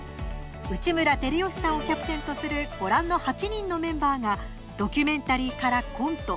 内村光良さんをキャプテンとするご覧の８人のメンバーがドキュメンタリーからコント